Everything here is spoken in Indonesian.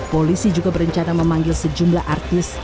polisi juga berencana memanggil sejumlah artis